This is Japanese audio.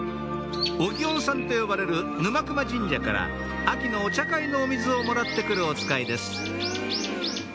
お祇園さんと呼ばれる沼名前神社から秋のお茶会のお水をもらって来るおつかいです